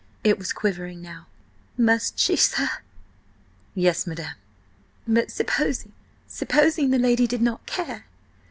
It was quivering now: "Must she, sir?" "Yes, madam." "But supposing–supposing the lady did not care?